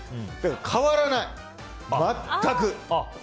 変わらない、全く。